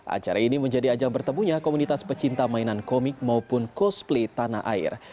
acara ini menjadi ajang bertemunya komunitas pecinta mainan komik maupun cosplay tanah air